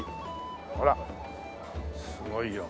ほらすごいよ。